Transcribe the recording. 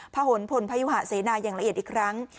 พะหลพลพยุหาเสนายังละเอียดอีกครั้ง